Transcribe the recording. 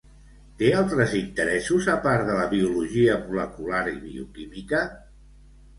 Té altres interessos a part de la biologia molecular i bioquímica?